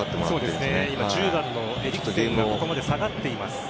今、１０番のエリクセンがここまで下がっています。